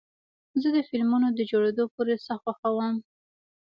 زه د فلمونو د جوړېدو پروسه خوښوم.